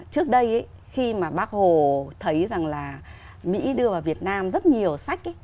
trước đây khi mà bác hồ thấy rằng là mỹ đưa vào việt nam rất nhiều sách ấy